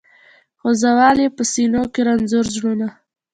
خو ځول یې په سینو کي رنځور زړونه